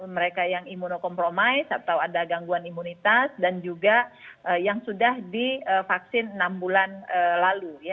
mereka yang imunokompromis atau ada gangguan imunitas dan juga yang sudah divaksin enam bulan lalu